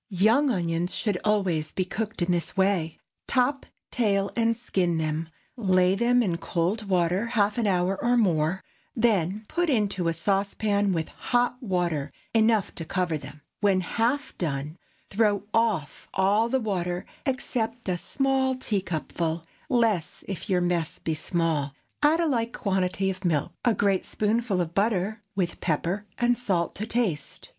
✠ Young onions should always be cooked in this way. Top, tail, and skin them, lay them in cold water half an hour or more, then put into a saucepan with hot water enough to cover them. When half done, throw off all the water, except a small teacupful—less, if your mess be small; add a like quantity of milk, a great spoonful of butter, with pepper and salt to taste.